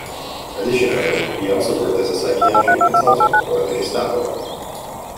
Additionally, he also worked as a psychiatric consultant for the "Gestapo".